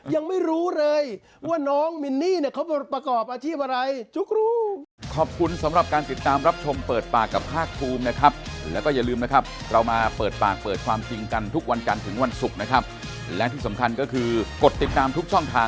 ยังไม่รู้เลยว่าน้องมินนี่เนี่ยเขาประกอบอาชีพอะไรจุ๊กรู้